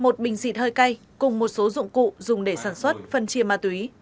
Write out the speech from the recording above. một thịt hơi cay cùng một số dụng cụ dùng để sản xuất phân chia ma túy